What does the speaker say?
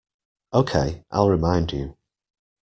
Okay, I'll remind you.